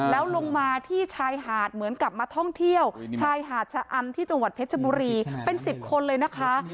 แล้วลงมาที่ชายหาดเหมือนกลับมาท่องเที่ยวชายหาดชะอำที่จังหวัดเพชรบุรีเป็น๑๐คนเลยนะคะ